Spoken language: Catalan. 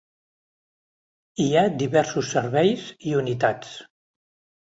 Hi ha diversos serveis i unitats.